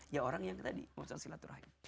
ya orang yang tadi urusan silaturahim